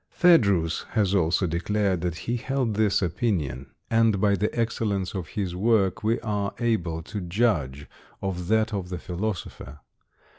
Phædrus has also declared that he held this opinion, and by the excellence of his work we are able to judge of that of the philosopher.